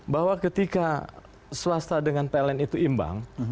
bahwa ketika swasta dengan pln itu imbang